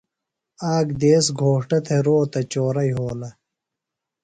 آک دیس گھوݜٹہ تھےۡ روتہ چورہ یھولہ۔